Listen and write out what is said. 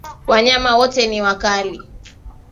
Wanyama wote ni wakali